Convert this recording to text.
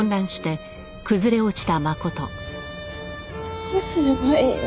どうすればいいの？